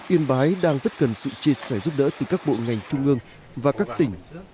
yên bái đang rất cần sự chia sẻ giúp đỡ từ các bộ ngành trung ương và các tỉnh